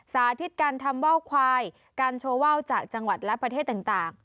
สาธิตการทำว่าวควายการโชว์ว่าวจากจังหวัดและประเทศต่าง